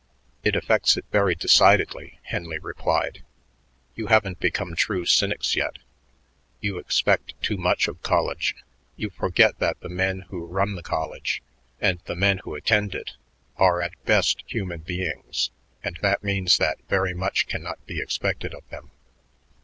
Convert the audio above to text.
"It affects it very decidedly," Henley replied. "You haven't become true cynics yet; you expect too much of college. You forget that the men who run the college and the men who attend it are at best human beings, and that means that very much cannot be expected of them.